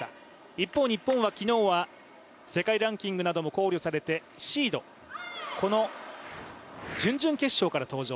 一方、日本は昨日は世界ランキングなども考慮されてシード、この準々決勝から登場。